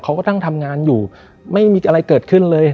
เขาก็นั่งทำงานอยู่ไม่มีอะไรเกิดขึ้นเลย